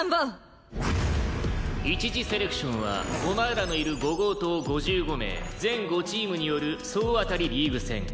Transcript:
一次セレクションはお前らのいる伍号棟５５名全５チームによる総当たりリーグ戦。